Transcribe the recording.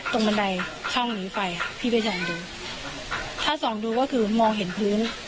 บันไดช่องหนีไฟพี่ไปส่องดูถ้าส่องดูก็คือมองเห็นพื้น